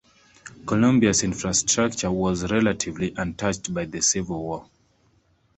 Columbia's infrastructure was relatively untouched by the Civil War.